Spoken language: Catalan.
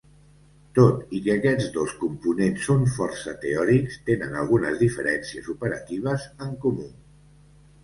Tot i que aquests dos components són força teòrics, tenen algunes diferències operatives en comú.